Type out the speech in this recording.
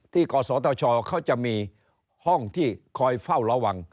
กศตชเขาจะมีห้องที่คอยเฝ้าระวัง